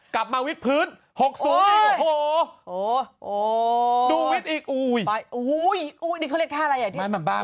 กลับมาวิทพฤติ